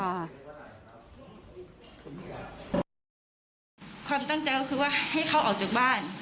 ความตั้งใจก็คือว่าให้เขาออกจากบ้าน